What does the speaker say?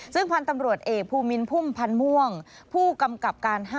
ซึ่งพันธุ์ตำรวจเอกภูมินพุ่มพันธ์ม่วงผู้กำกับการ๕